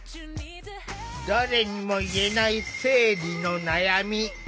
誰にも言えない生理の悩み。